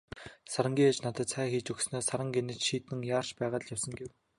Сарангийн ээж надад цай хийж өгснөө "Саран гэнэт шийдэн яарч байгаад л явсан" гэв.